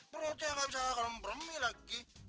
perutnya nggak bisa makan perut lagi